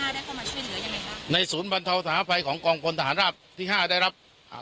ครับในศูนย์บรรทาวษาภัยของกองคนอาหารราภที่ห้าได้รับอ่า